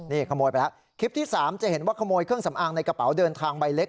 นี่ขโมยไปแล้วคลิปที่๓จะเห็นว่าขโมยเครื่องสำอางในกระเป๋าเดินทางใบเล็ก